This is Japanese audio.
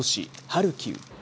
ハルキウ。